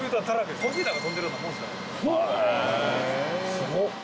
すごっ。